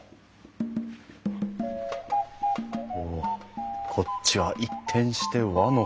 おおこっちは一転して和の空間。